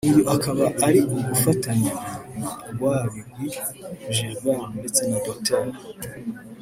uyu akaba ari gufatanya na Rwabigwi Gilbert ndetse na Dr